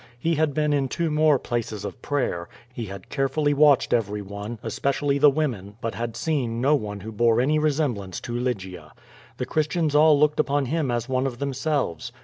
He had been in two more places of prayer, he had carefully watched every one, especially the women, but had seen no one who bore any re semblance to Lygia. The Christians all looked upon him as one of themselves.